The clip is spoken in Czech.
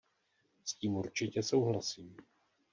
S tím určitě souhlasím.